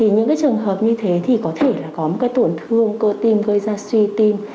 những trường hợp như thế thì có thể có một tổn thương cơ tim gây ra suy tim